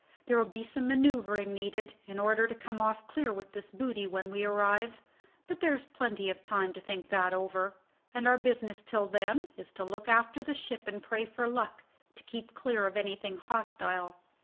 There'll be some man[oe]uvring needed in order to come off clear with this booty when we arrive: but there's plenty of time to think that over, and our business till then is to look after the ship and pray for luck to keep clear of anything hostile."